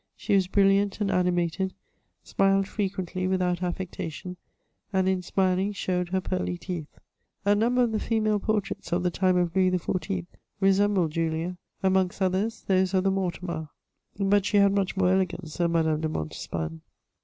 She was brilliant and animated/ smiled frequently without affectation, and in smiling showed her pearly teeth. A number of the female portraits of the time of Louis XIV. resembled Julia ; amongst others, those of the Mortemarts ; but she had much more elegance than Madame de Montespan.